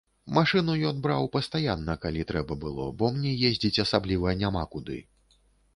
Машыну ён браў пастаянна, калі трэба было, бо мне ездзіць асабліва няма куды.